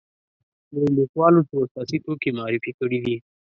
لویو لیکوالو څو اساسي توکي معرفي کړي دي.